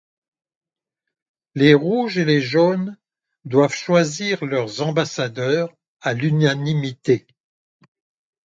Les rouges et les jaunes doivent choisir leurs ambassadeurs, à l’unanimité.